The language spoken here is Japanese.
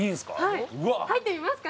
入ってみますか？